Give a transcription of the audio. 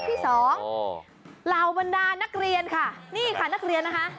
ที่สองเหล่าบรรดานักเรียนค่ะนี่ค่ะนักเรียนนะคะ